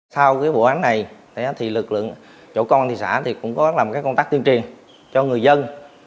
sau cái bộ án này thì lực lượng chỗ công an thị xã thì cũng có làm cái công tác tiên triền cho người dân